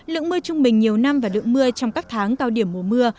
lượng mưa trung bình nhiều năm và lượng mưa trong các tháng cao điểm mùa mưa